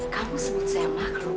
kamu sebut saya makhluk